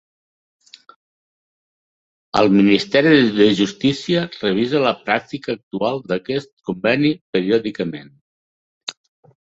El Ministeri de Justícia revisa la pràctica actual d'aquest conveni periòdicament.